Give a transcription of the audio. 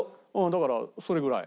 だからそれぐらい。